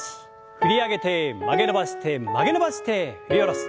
振り上げて曲げ伸ばして曲げ伸ばして振り下ろす。